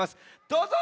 どうぞ！